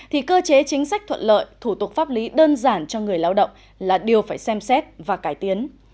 thì cơ chế chính sách thuận lợi thủ tục pháp lý đơn giản cho người lao động là điều phải xem xét và cải tiến